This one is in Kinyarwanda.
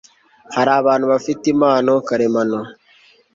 Hari abantu bafite impano karemano